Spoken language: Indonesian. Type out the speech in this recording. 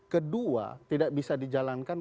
kedua tidak bisa dijalankan